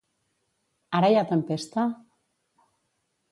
Ara hi ha tempesta?